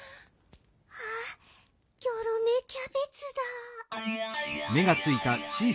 あっギョロメキャベツだ。